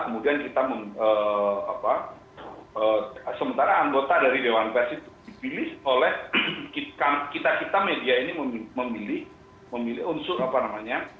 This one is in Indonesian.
kemudian kita sementara anggota dari dewan pers itu dipilih oleh kita kita media ini memilih memilih unsur apa namanya